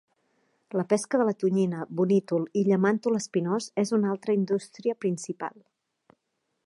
La pesca de la tonyina, bonítol i llamàntol espinós es una altra indústria principal.